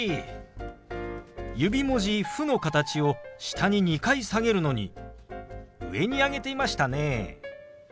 指文字「フ」の形を下に２回下げるのに上に上げていましたね。